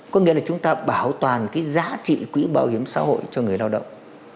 có nghĩa là chúng ta bảo toàn cái giá trị quỹ bảo hiểm xã hội cho người lao động